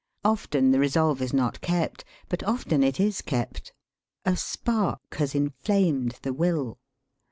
Often the resolve is not kept; but often it is kept. A spark has inflamed the will.